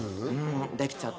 できちゃった。